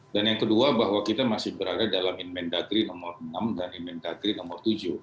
dan yang kedua bahwa kita masih berada dalam inventagri nomor enam dan inventagri nomor tujuh